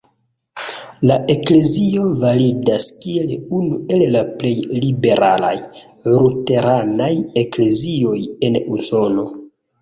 La eklezio validas kiel unu el la plej liberalaj luteranaj eklezioj en Usono.